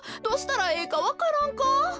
どうしたらええかわからんか？